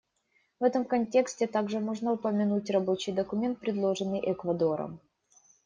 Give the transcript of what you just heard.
В этом контексте также можно упомянуть рабочий документ, предложенный Эквадором.